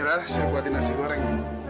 bermirah saya buat di nasi goreng